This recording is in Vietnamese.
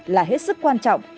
là hết sức quan trọng